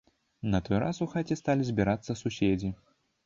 На той раз у хаце сталі збірацца суседзі.